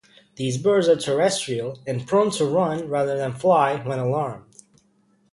These birds are terrestrial, and prone to run rather than fly when alarmed.